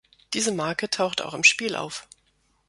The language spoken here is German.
Diese Marke taucht auch im Spiel auf.